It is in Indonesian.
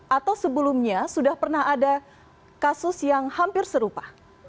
atau sebelumnya sudah pernah ada kasus yang hampir serupa